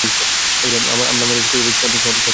আমার মেজাজ খুইয়ে বসি, সাথে চাকরিও?